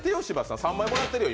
３枚もらってますよ、今。